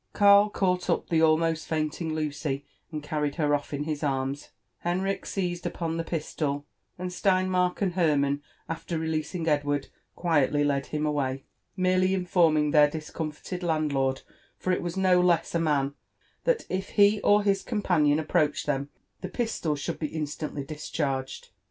Karl caught up the almost faintinc; Lucy, and carried her off in his arms; Henrich seized upon the pistol ; and Stein mark and Hermann, after releasing Edward, quietly led him away, merely informing their discomfited landlord, for it was no less a man, that if he or hiseompanion approached them, the pistol should be In* stantly discharged.